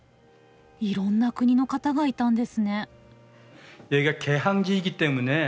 いろんな国の方がいたんですね。